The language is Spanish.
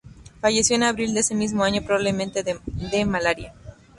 Falleció en abril de ese mismo año, probablemente de malaria.